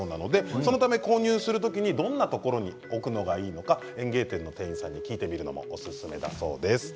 そのため購入する時にどんなところに置くのがいいのか園芸店の方に聞くのもおすすめだということです。